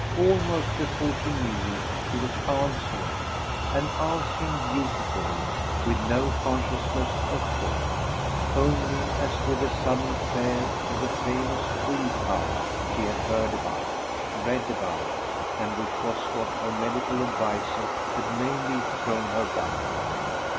Almost before she knew it she was answering, and answering beautifully, with no consciousness of fraud, only as with a sudden flare of the famous "will power" she had heard about, read about, and which was what her medical adviser had mainly thrown her back on.